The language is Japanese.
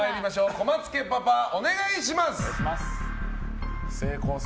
小松家パパ、お願いします。